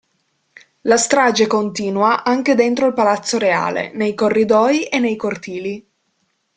La strage continua anche dentro il palazzo reale, nei corridoi e nei cortili.